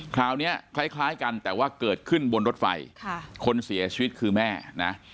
คราวนี้คล้ายกันแต่ว่าเกิดขึ้นบนรถไฟคนเสียชีวิตคือแม่นะ